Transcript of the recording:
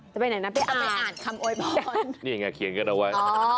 จะไปไหนนะไปอ่านนี่ไงเขียนกันเอาไว้อ๋อ